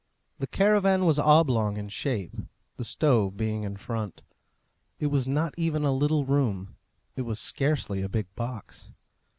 The caravan was oblong in shape, the stove being in front. It was not even a little room; it was scarcely a big box.